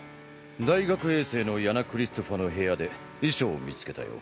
大学衛星のヤナ・クリストファの部屋で遺書を見つけたよ。